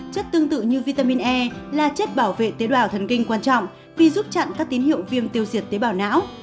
chất tương tự như vitamin e là chất bảo vệ tế bào thần kinh quan trọng vì giúp chặn các tín hiệu viêm tiêu diệt tế bào não